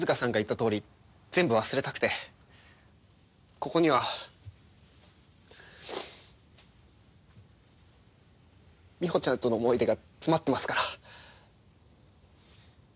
ここにはみほちゃんとの思い出が詰まってますから。